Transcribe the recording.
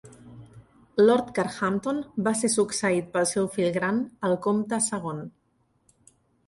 Lord Carhampton va ser succeït pel seu fill gran, el Comte segon.